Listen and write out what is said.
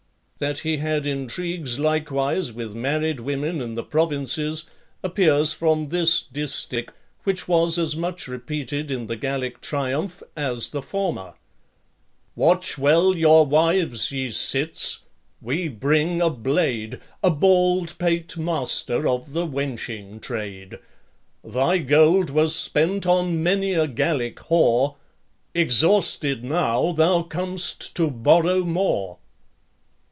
(34) LI. That he had intrigues likewise with married women in the provinces, appears from this distich, which was as much repeated in the Gallic Triumph as the former: Watch well your wives, ye cits, we bring a blade, A bald pate master of the wenching trade. Thy gold was spent on many a Gallic w e; Exhausted now, thou com'st to borrow more.